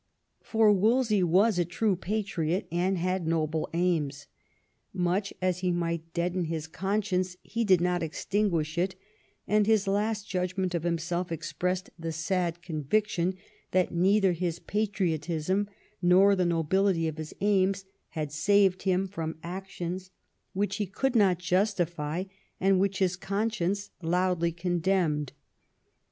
For Wolsey was a true patriot, and had noble aims. Much as he might deaden his conscience, he did not extinguish it; and his last judgment of 'liimself expressed the sad conviction that neither his patriotism nor the nobility of his aims had saved him from actions which he could not justify, and which his conscience loudly condemned.